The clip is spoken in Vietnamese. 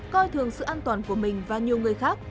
coi thường sự an toàn của mình và nhiều người khác